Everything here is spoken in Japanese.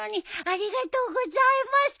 ありがとうございます。